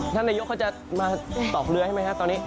ท่านนายกเขาจะมาตอกเรือใช่ไหมครับตอนนี้